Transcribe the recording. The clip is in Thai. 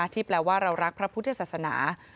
ที่แปลว่าเรารักพระพุทธศาสนา